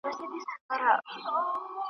په خپل خیال کي ورڅرګند زرغون جهان سو .